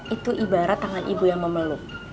itu ibarat tangan ibu yang memeluk